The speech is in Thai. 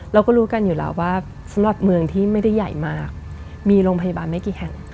เราก็รู้กันอยู่แล้วว่าสำหรับเมืองที่ไม่ได้ใหญ่มากมีโรงพยาบาลไม่กี่แห่ง